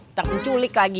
ntar penculik lagi